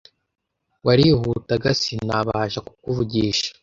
Warihutaga sinabasha kukuvugisha.